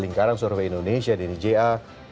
di lingkaran survei indonesia dni ja